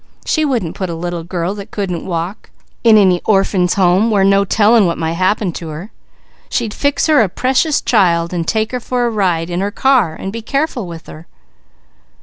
She wouldn't put a little girl that couldn't walk in any Orphings' Home where no telling what might happen to her! She'd fix her a Precious Child and take her for a ride in her car and be careful with her."